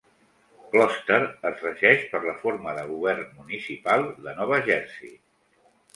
Closter es regeix per la forma de govern municipal de Nova Jersey.